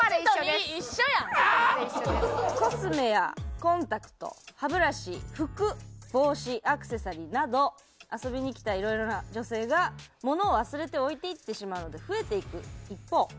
コスメやコンタクト歯ブラシ服帽子アクセサリーなど遊びに来たいろいろな女性が物を忘れて置いていってしまうので増えていく一方。